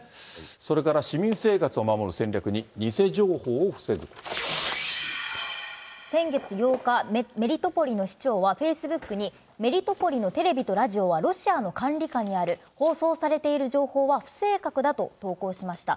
それから市民生活を守る戦略に、先月８日、メリトポリの市長は、フェイスブックに、メリトポリのテレビとラジオはロシアの管理下にある、放送されている情報は不正確だと投稿しました。